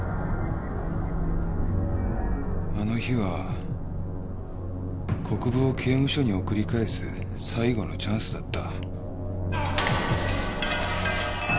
あの日は国府を刑務所に送り返す最後のチャンスだった。